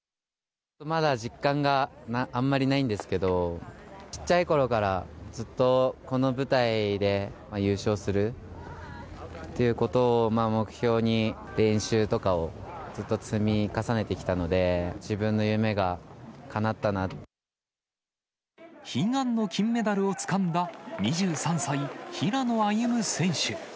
まだ実感があんまりないんですけど、ちっちゃいころから、ずっとこの舞台で優勝するっていうことを目標に、練習とかをずっと積み重ねてきたので、悲願の金メダルをつかんだ２３歳、平野歩夢選手。